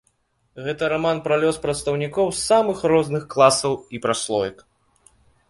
Гэта раман пра лёс прадстаўнікоў самых розных класаў і праслоек.